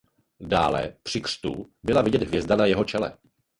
Dále při křtu byla vidět hvězda na jeho čele.